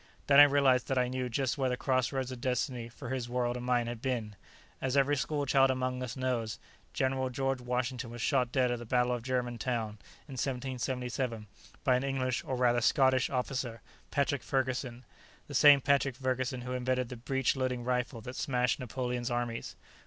Then I realized that I knew just where the Crossroads of Destiny for his world and mine had been. As every schoolchild among us knows, General George Washington was shot dead at the Battle of Germantown, in 1777, by an English, or, rather, Scottish, officer, Patrick Ferguson the same Patrick Ferguson who invented the breech loading rifle that smashed Napoleon's armies.